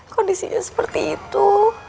kondisinya seperti itu